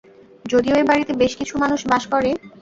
যদিও এ-বাড়িতে বেশ কিছু মানুষ বাস করে।